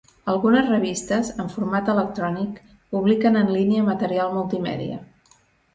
Algunes revistes, en format electrònic, publiquen en línia material multimèdia.